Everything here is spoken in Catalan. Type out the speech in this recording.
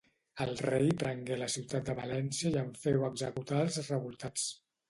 El rei prengué la ciutat de València i en feu executar els revoltats.